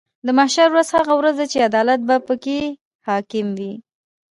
د محشر ورځ هغه ورځ ده چې عدالت به پکې حاکم وي .